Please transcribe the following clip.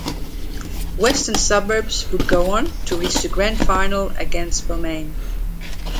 Western Suburbs would go on to reach the grand final against Balmain.